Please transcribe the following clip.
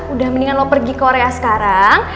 udah mendingan lo pergi korea sekarang